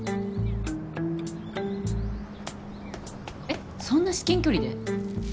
えっそんな至近距離で？